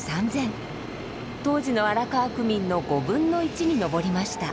当時の荒川区民の５分の１に上りました。